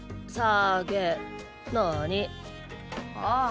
ああ。